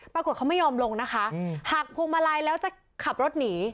ปรากฏเขาไม่ยอมลงนะคะหักพวงมาลัยแล้วจะขับรถหนี